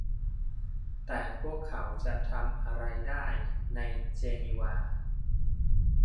แต่พวกเขาจะทำอะไรได้ในเจนีวา